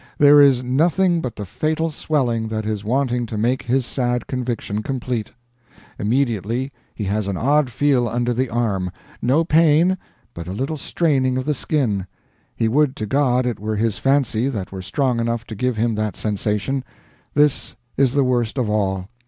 There is nothing but the fatal swelling that is wanting to make his sad conviction complete; immediately, he has an odd feel under the arm no pain, but a little straining of the skin; he would to God it were his fancy that were strong enough to give him that sensation; this is the worst of all.